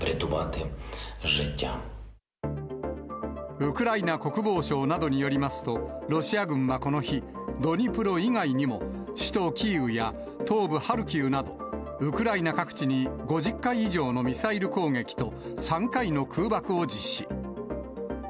ウクライナ国防省などによりますと、ロシア軍はこの日、ドニプロ以外にも、首都キーウや東部ハルキウなど、ウクライナ各地に５０回以上のミサイル攻撃と、３回の空爆を実施。